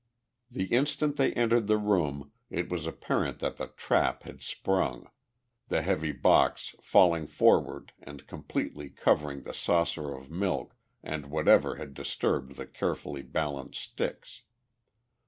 The instant they entered the room it was apparent that the trap had sprung, the heavy box falling forward and completely covering the saucer of milk and whatever had disturbed the carefully balanced sticks.